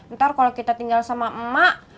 ntar kalau kita tinggal sama emak